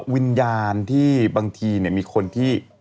วิญญาณที่บางทีมีคนที่